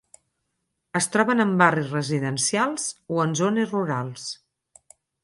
Es troben en barris residencials o en zones rurals.